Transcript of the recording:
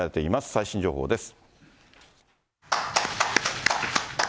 最新情報です。